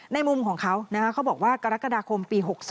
มุมของเขาเขาบอกว่ากรกฎาคมปี๖๒